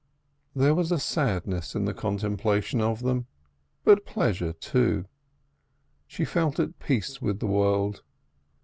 There was sadness in the contemplation of them, but pleasure too. She felt at peace with the world.